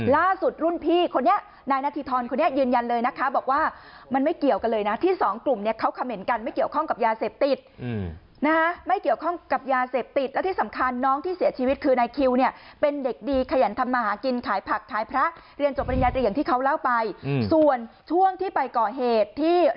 ล่าสุดรุ่นพี่คนนี้นายนาธิธรคนนี้ยืนยันเลยนะคะบอกว่ามันไม่เกี่ยวกันเลยนะที่สองกลุ่มเนี่ยเขาคำเห็นกันไม่เกี่ยวข้องกับยาเสพติดนะฮะไม่เกี่ยวข้องกับยาเสพติดและที่สำคัญน้องที่เสียชีวิตคือนายคิวเนี่ยเป็นเด็กดีขยันทำมาหากินขายผักขายพระเรียนจบปริญญาตรีอย่างที่เขาเล่าไปส่วนช่วงที่ไปก่อเหตุที่